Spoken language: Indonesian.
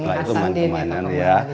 setelah itu main kemainan dia